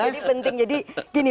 jadi penting jadi gini